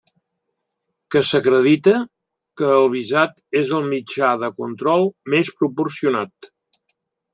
Que s'acredite que el visat és el mitjà de control més proporcionat.